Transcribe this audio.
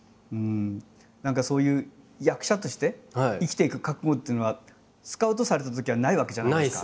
何かそういう役者として生きていく覚悟っていうのはスカウトされたときはないですね。